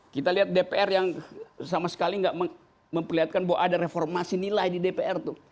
kita lihat dpr yang sama sekali nggak memperlihatkan bahwa ada reformasi nilai di dpr tuh